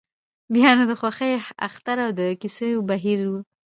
بیا نو د خوښیو اختر او د کیسو بهیر وي.